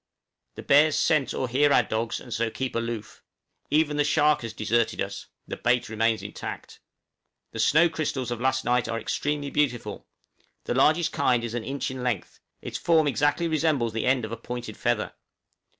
The bears scent or hear our dogs, and so keep aloof; even the shark has deserted us, the bait remains intact. The snow crystals of last night are extremely beautiful; the largest kind is an inch in length; its form exactly resembles the end of a pointed feather.